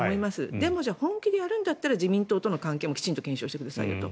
でも、本気でやるんだったら自民党との関係もきちんとしてくださいよと。